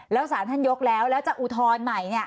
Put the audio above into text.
แล้วสารท่านยกแล้วแล้วจะอุทธรณ์ใหม่